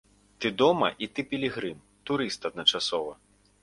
Ты дома і ты пілігрым, турыст адначасова.